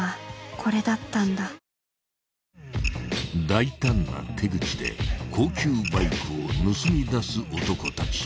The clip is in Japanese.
［大胆な手口で高級バイクを盗み出す男たち］